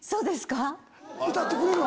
歌ってくれるの？